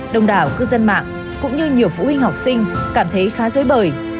đồng đảo cư dân mạng cũng như nhiều phụ huynh học sinh cảm thấy khá dối bời